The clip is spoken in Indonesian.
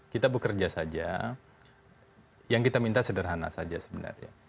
kita bekerja saja yang kita minta sederhana saja sebenarnya